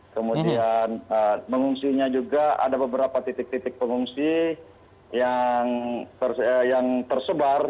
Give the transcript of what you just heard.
kemudian mengungsinya juga ada beberapa titik titik pengungsi yang tersebar